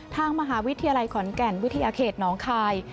ทางมหาวิทยาลัยขอนแก่นวิทยาเขตน้องคาย